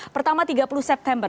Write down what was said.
pertama tiga puluh september